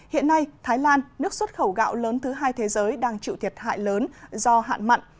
hiện nay thái lan nước xuất khẩu gạo lớn thứ hai thế giới đang chịu thiệt hại lớn do hạn mặn